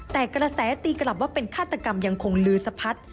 แต่กระแสตีกลับว่าเป็นฆาตกรรมยังคงลือสะพัด